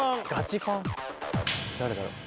「誰だろう？」